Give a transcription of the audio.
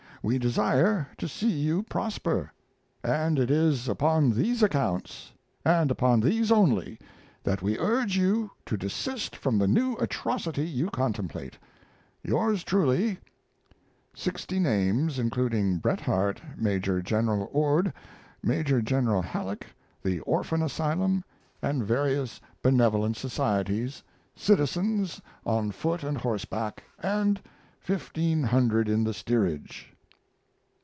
We desire to see you prosper. And it is upon these accounts, and upon these only, that we urge you to desist from the new atrocity you contemplate. Yours truly, 60 names including: Bret Harte, Maj. Gen. Ord, Maj. Gen. Halleck, The Orphan Asylum, and various Benevolent Societies, Citizens on Foot and Horseback, and 1500 in the Steerage.